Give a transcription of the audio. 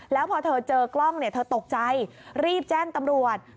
แล้วพอเธอเจอกล้องเธอตกใจรีบแจ้งตำรวจ